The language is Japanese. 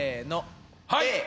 はい。